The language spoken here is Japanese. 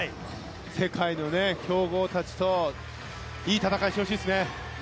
世界の強豪たちといい戦いしてほしいですね。